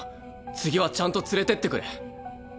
次はちゃんと連れてってくれ。